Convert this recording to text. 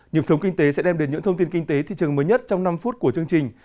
nhịp sống kinh tế sẽ đem đến những thông tin kinh tế thị trường mới nhất trong năm phút của chương trình